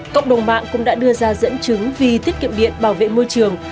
cộng đồng mạng cũng đã đưa ra dẫn chứng vì tiết kiệm điện bảo vệ môi trường